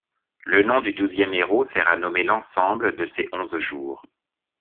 Le nom du douzième héros sert à nommer l'ensemble de ces onze jours.